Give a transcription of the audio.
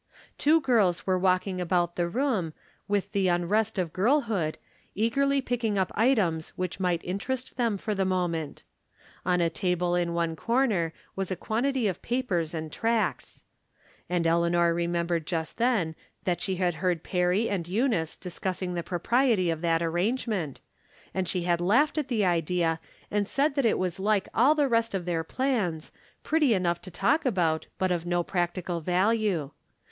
Two girls were walking about the room, with the unrest of girlhood, eagerly picking up items which might interest them for the moment. On a table in one corner was a quantity of papers and tracts. And Eleanor remembered just then that she had heard Perry and Eunice discussing the propriety of that arrangement, and she had laughed at the idea, and said it was like all the rest of their plans, pretty enough to talk about, but of no practical value.